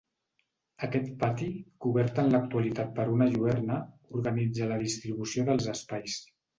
Aquest pati, cobert en l'actualitat per una lluerna organitza la distribució dels espais.